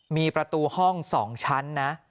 มีประตูห้อง๒ชั้นนะ